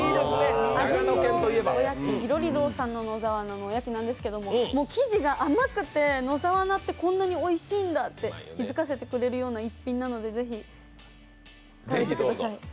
安曇野、いろり堂さんの野沢菜のおやつなんですけど生地が甘くて、野沢菜ってこんなにおいしいんだって気づかせてくれるような逸品なのでぜひ食べてみてください。